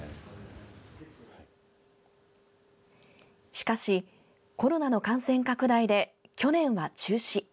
しかしコロナの感染拡大で、去年は中止。